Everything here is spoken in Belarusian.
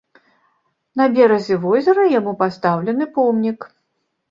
На беразе возера яму пастаўлены помнік.